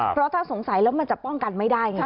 เพราะถ้าสงสัยแล้วมันจะป้องกันไม่ได้ไง